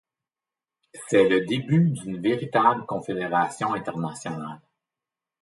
C'est le début d'une véritable confédération internationale.